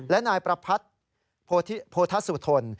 และนายประพัฒน์โพทัศุธน